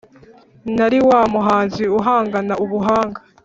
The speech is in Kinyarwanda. Nari wa muhanzi uhangana ubuhanga